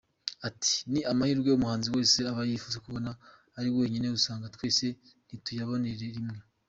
Ati “Ni amahirwe umuhanzi wese aba yifuza kubona ariko nyine ugasanga twese ntituyaboneye rimwe.